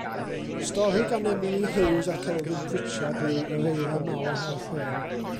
Stori gan Emily Huws ac Elfyn Pritchard yw Yr Eira Mawr a'r Rhew.